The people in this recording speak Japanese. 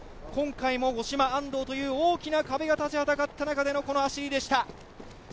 今回も、五島、安藤という大きな壁が立ちはだかった中での走りでした。